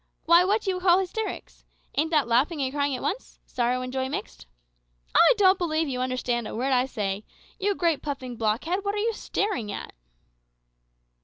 Why, what do you call hysterics? Ain't that laughing and crying at once sorrow and joy mixed? I don't believe you understand a word that I say. You great puffing blockhead, what are you staring at?"